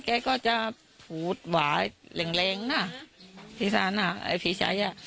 แกก็จะฟูตวาแรงแรงน่ะพี่ไซน่ะน่ะไอ้พี่ชัยน่ะ